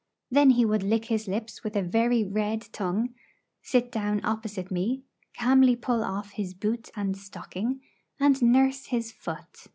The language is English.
Then he would lick his lips with a very red tongue, sit down opposite me, calmly pull off his boot and stocking, and nurse his foot.